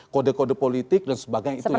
kode kode politik dan sebagainya itu